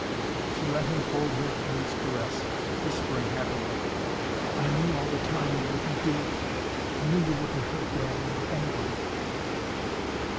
She let him fold her in his caress, whispering happily, "I knew all the time you wouldn't do it I knew you wouldn't hurt daddy, or anybody."